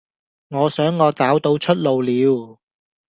我想我找到出路了